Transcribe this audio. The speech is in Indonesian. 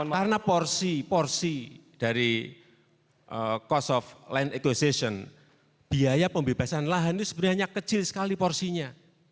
karena porsi porsi dari cost of land acquisition biaya pembebasan lahan itu sebenarnya kecil sekali porsinya